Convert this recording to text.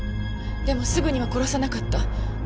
でもすぐには殺さなかった。